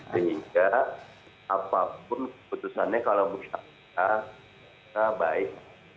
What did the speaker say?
sehingga apapun keputusannya kalau bursa bursa kita baik